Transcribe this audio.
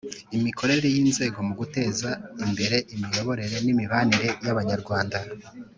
Imikorere y inzego mu guteza imbere imiyoborere n imibanire y abanyarwanda